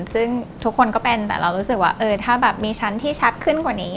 ซึ่งทุกคนก็เป็นแต่เรารู้สึกว่าถ้าแบบมีชั้นที่ชัดขึ้นกว่านี้